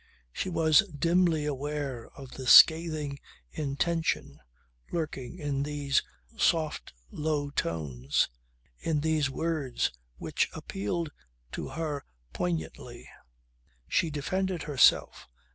She was dimly aware of the scathing intention lurking in these soft low tones, in these words which appealed to her poignantly. She defended herself.